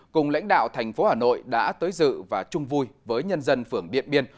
cùng lãnh đạo thành phố hà nội đã tới dự và chung vui với nhân dân phường điện biên